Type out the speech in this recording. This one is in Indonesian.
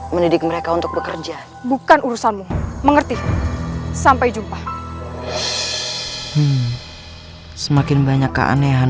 mendidik mereka untuk bekerja bukan urusanmu mengerti sampai jumpa semakin banyak keanehan